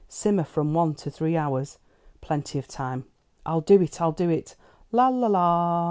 'Simmer from one to three hours.' Plenty of time. I'll do it! I'll do it! La, la, la!"